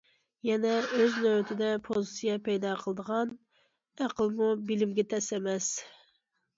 يەنە ئۆز نۆۋىتىدە پوزىتسىيە پەيدا قىلىدىغان ئەقىلمۇ بىلىمگە تەڭ ئەمەس.